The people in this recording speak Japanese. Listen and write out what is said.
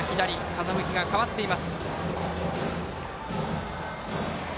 風向きが変わっています。